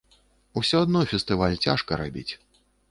Усё адно фестываль цяжка рабіць.